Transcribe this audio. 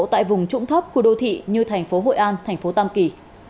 tại vùng trụng thấp khu đô thị như thành phố hội an thành phố tâm kỳ